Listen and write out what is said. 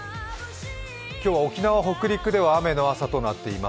今日は、沖縄北陸では雨の朝となっています。